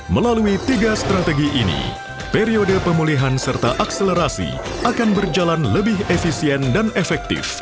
melalui tiga strategi ini periode pemulihan serta akselerasi akan berjalan lebih efisien dan efektif